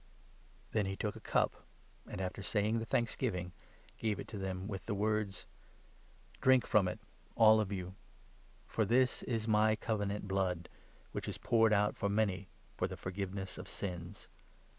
Then he took a cup, and, after saying the thanksgiving, gave it to them, with the words :" Drink from it, all of you ; for this is my Covenant blood, which is poured out for many for the forgiveness of sins.